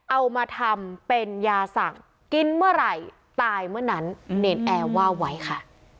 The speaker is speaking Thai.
เอามาทำเป็นยาสั่งกินเมื่อไหร่ตายเมื่อนั้นเนรนแอร์ว่าไว้ค่ะ